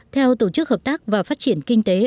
theo tổ chức hợp tác và phát triển